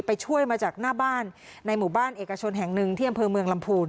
ไปช่วยมาจากหน้าบ้านในหมู่บ้านเอกชนแห่งหนึ่งที่อำเภอเมืองลำพูน